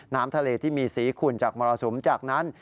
น้ำทะเลที่มีสีขุ่นจากมรสุมจากนั้น